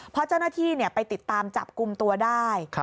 เพราะเจ้าหน้าที่ไปติดตามจับกลุ่มตัวได้